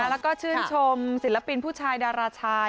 แล้วก็ชื่นชมศิลปินผู้ชายดาราชาย